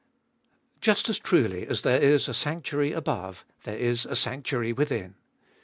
1. Just as truly us there Is a sanctuary above, there Is a sanctuary within.